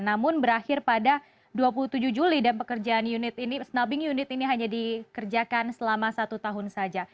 namun berakhir pada dua puluh tujuh juli dan pekerjaan snobbing unit ini hanya dikerjakan selama satu tahun saja